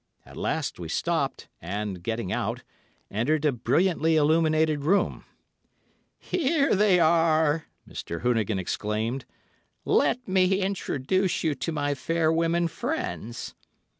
At last we stopped, and getting out, entered a brilliantly illuminated room. 'Here they are!' Mr. Hoonigan exclaimed. 'Let me introduce you to my fair women friends.